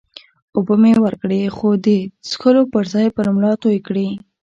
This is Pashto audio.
اوبه مې ورکړې، خو ده د څښلو پر ځای پر ملا توی کړې.